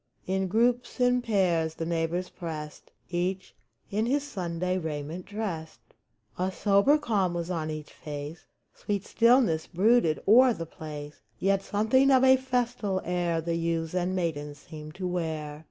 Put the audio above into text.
In groups, in pairs, the neighbors pressed, Each in his Sunday raiment dressed. A sober calm was on each face ; Sweet stillness brooded o'er the place ; Yet something of a festal air The youths and maidens seemed to wear.